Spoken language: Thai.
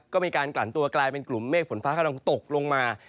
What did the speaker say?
ก็มีการกลั่นตัวกลายเป็นกลุ่มเมฆฝนฟ้าขนองตกลงมา